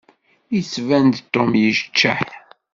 Yettban-d Tom yeččeḥ.